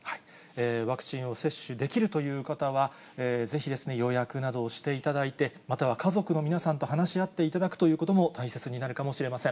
ワクチンを接種できるという方は、ぜひ予約などをしていただいて、または家族の皆さんと話し合っていただくということも大切になるかもしれません。